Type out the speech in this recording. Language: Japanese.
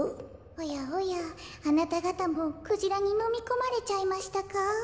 おやおやあなたがたもクジラにのみこまれちゃいましたか？